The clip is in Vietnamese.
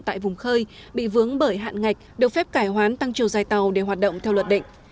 tại vùng khơi bị vướng bởi hạn ngạch được phép cải hoán tăng chiều dài tàu để hoạt động theo luật định